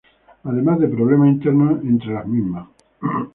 Además de problemas internos entre las mismas.